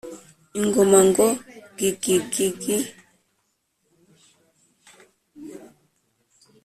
ingoma ngo gigigigi